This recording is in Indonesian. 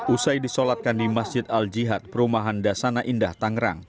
usai disolatkan di masjid al jihad perumahan dasana indah tangerang